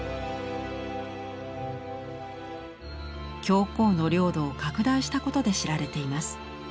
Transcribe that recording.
教皇の領土を拡大したことで知られています。